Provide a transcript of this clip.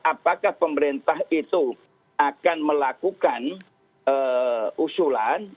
apakah pemerintah itu akan melakukan usulan